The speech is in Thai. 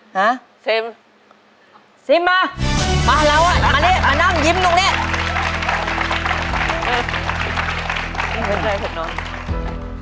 ฮะซิมซิมมามาแล้วอะมานี่มานั่งยิ้มหนูเนี่ย